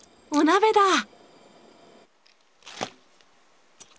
お鍋だ。